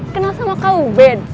kenal sama kak ubed